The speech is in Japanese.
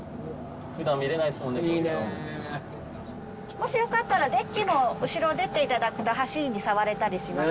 もしよかったらデッキの後ろ出ていただくと橋に触れたりします。